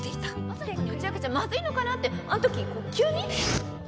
アサヒくんに打ち明けちゃまずいのかなってあの時急に。